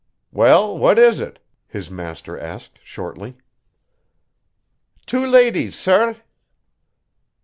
"Well, what is it?" his master asked, shortly, "Two ladies, sair!"